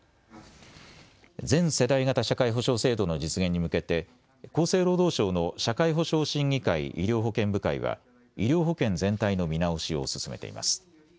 全世代型社会保障制度の実現に向けて厚生労働省の社会保障審議会医療保険部会は医療保険全体の見直しを進めています。